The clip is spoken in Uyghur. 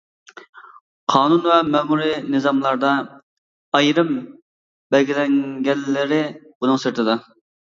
قانۇن ۋە مەمۇرىي نىزاملاردا ئايرىم بەلگىلەنگەنلىرى بۇنىڭ سىرتىدا.